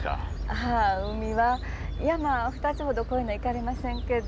ああ海は山２つほど越えな行かれませんけど。